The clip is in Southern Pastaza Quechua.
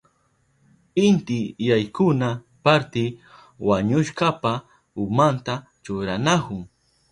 Inti yaykuna parti wañushkapa umanta churanahun.